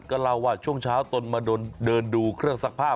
ก็เล่าว่าช่วงเช้าตนมาเดินดูเครื่องซักผ้า